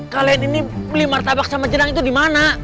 kalian ini beli martabak sama jenang itu dimana